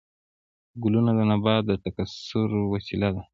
ګلونه د نبات د تکثیر وسیله ده